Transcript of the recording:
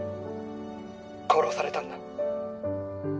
殺されたんだ。